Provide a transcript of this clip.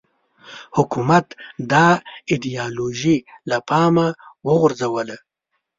حکومت دا ایدیالوژي له پامه وغورځوله